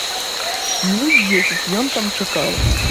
Мінут дзесяць ён там чакаў.